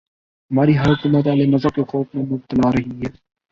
ہماری ہر حکومت اہل مذہب کے خوف میں مبتلا رہی ہے۔